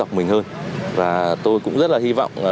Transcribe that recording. chào các bạn